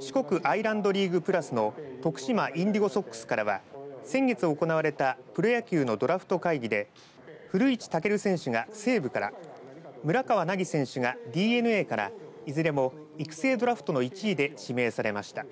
四国アイランドリーグｐｌｕｓの奥島インディゴソックスからは先月行われたプロ野球のドラフト会議で古市尊選手が西武から村川凪選手がＤｅＮＡからいずれも育成ドラフトの１位で指名されました。